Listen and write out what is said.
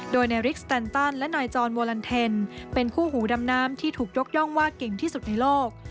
โดยนายริกสแตนตันและนายจรโวลันเทนเป็นคู่หูดำน้ำที่ถูกยกย่องว่าเก่งที่สุดในโลก